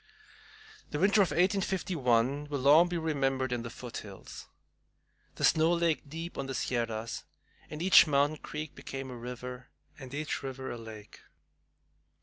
The winter of 1851 will long be remembered in the foothills. The snow lay deep on the Sierras, and every mountain creek became a river, and every river a lake.